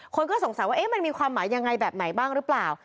คนก็สงสัยว่ามันมีความหมายยังไงแบบไหนบ้างหรือเปล่า